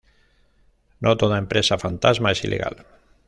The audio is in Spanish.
No toda empresa fantasma es ilegal.